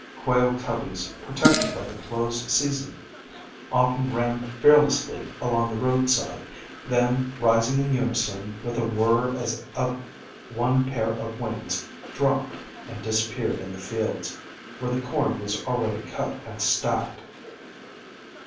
Quail coveys, protected by the close season, often ran fearlessly along the roadside, then rising in unison, with a whirr as of one pair of wings, dropped, and disappeared in the fields, where the corn was already cut and stacked.